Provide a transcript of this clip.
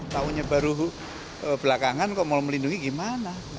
tahunya baru belakangan kok mau melindungi gimana